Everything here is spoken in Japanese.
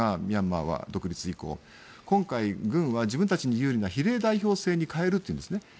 ミャンマーは、独立以降。今回、軍は自分たちに有利な比例代表制に変えるというんですね。